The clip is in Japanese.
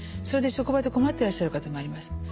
それで職場で困ってらっしゃる方もいます。